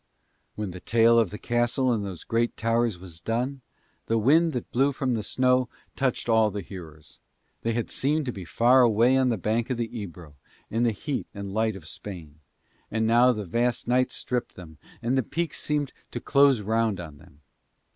When the tale of the castle and those great towers was done, the wind that blew from the snow touched all the hearers; they had seemed to be away by the bank of the Ebro in the heat and light of Spain, and now the vast night stripped them and the peaks seemed to close round on them.